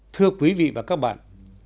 thưa quý vị và các bạn